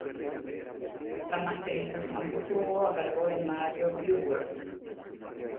La masterización estuvo a cargo de Mario Breuer.